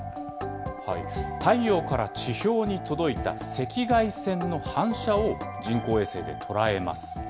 太陽から地表に届いた赤外線の反射を人工衛星で捉えます。